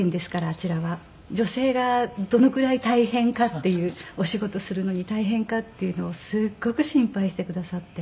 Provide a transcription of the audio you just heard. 女性がどのくらい大変かっていうお仕事をするのに大変かっていうのをすっごく心配してくださって。